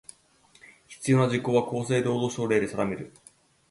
必要な事項は、厚生労働省令で定める。